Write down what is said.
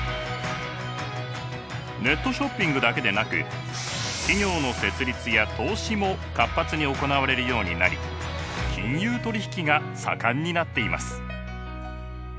ネットショッピングだけでなく企業の設立や投資も活発に行われるようになり金融取引が盛んになっています。